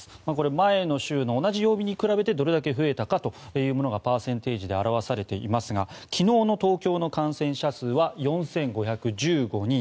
前の週の同じ曜日に比べてどれだけ増えたかというのがパーセンテージで表されていますが昨日の東京の感染者数は４５１５人。